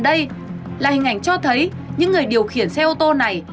đây là hình ảnh cho thấy những người điều khiển xe ô tô này